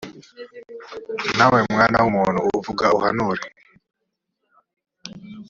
nawe mwana w umuntu vuga uhanura